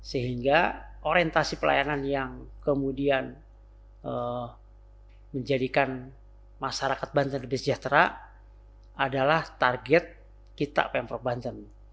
sehingga orientasi pelayanan yang kemudian menjadikan masyarakat banten lebih sejahtera adalah target kita pemprov banten